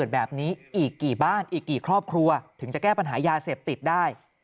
มีกี่ครอบครัวถึงจะแก้ปัญหายาเสพติดได้